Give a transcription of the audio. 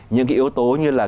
những cái yếu tố như là